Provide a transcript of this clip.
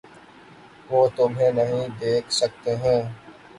وہ تمہیں نہیں دیکھ سکتے ہیں۔